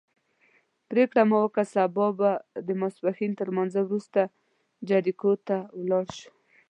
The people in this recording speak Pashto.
پرېکړه مو وکړه سبا به د ماسپښین تر لمانځه وروسته جریکو ته ولاړ شو.